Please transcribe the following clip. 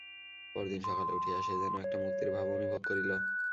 পরদিন সকালে উঠিয়া সে যেন একটা মুক্তির ভাব অনুভব করিল।